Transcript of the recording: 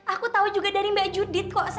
aku tau juga dari mbak judit kok sat